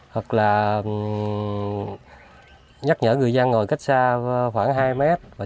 hoặc là nhắc nhở người dân ngồi dịch sống hoặc là có tiên triền điều kiện